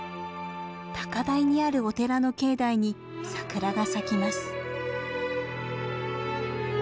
高台にあるお寺の境内にサクラが咲きます。